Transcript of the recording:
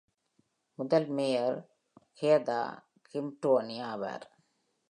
முதல் mayor Yehuda Shimroni ஆவார்.